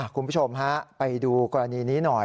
คุณผู้ชมฮะไปดูกรณีนี้หน่อย